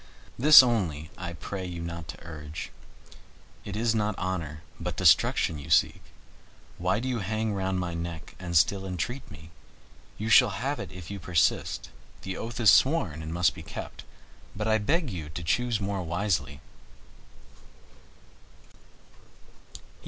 This only I pray you not to urge. It is not honor, but destruction you seek. Why do you hang round my neck and still entreat me? You shall have it if you persist, the oath is sworn and must be kept, but I beg you to choose more wisely."